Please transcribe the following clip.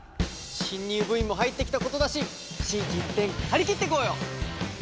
新入部員も入ってきたことだし心機一転張り切ってこうよ！